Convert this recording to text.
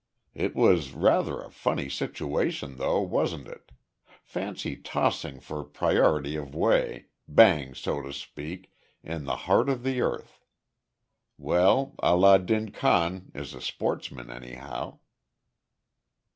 "It was rather a funny situation though, wasn't it. Fancy tossing for priority of way, bang, so to speak, in the heart of the earth. Well, Allah din Khan is a sportsman anyhow."